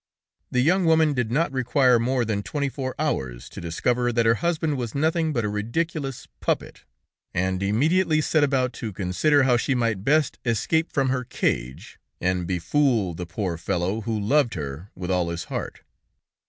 The young woman did not require more than twenty four hours to discover that her husband was nothing but a ridiculous puppet, and immediately set about to consider how she might best escape from her cage, and befool the poor fellow, who loved her with all his heart.